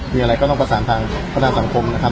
มีอะไรก็ต้องประสานทางพัฒนาสังคมนะครับ